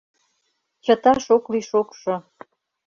Чыташ ок лий шокшо.